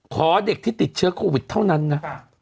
ขอเด็กที่ติดเชื้อโควิดเท่านั้นนะ